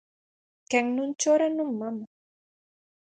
Quen non chora, non mama.